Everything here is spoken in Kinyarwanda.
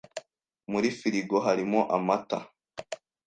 Muri firigo harimo amata.